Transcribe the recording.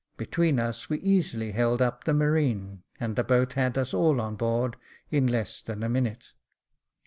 Be tween us, we easily held up the marine, and the boat had us all on board in less than a minute.